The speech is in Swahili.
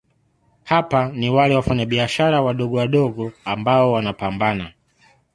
hapa ni wale Wafanyabiashara wadogowadogo ambao wanapambana